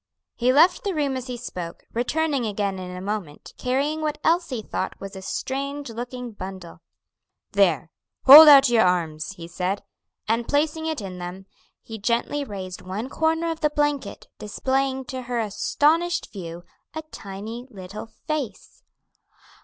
He left the room as he spoke, returning again in a moment, carrying what Elsie thought was a strange looking bundle. "There! hold out your arms," he said; and placing it in them, he gently raised one corner of the blanket, displaying to her astonished view a tiny little face.